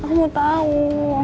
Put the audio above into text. aku mau tau